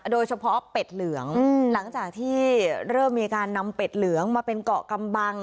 โดยเฉพาะเป็ดเหลืองหลังจากที่เริ่มมีการนำเป็ดเหลืองมาเป็นเกาะกำบัง